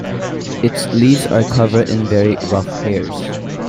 Its leaves are covered in very rough hairs.